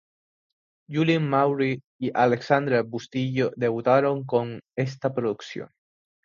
Julien Maury y Alexandre Bustillo debutaron con esta producción.